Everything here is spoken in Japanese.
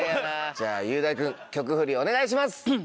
じゃあ雄大君曲フリお願いします。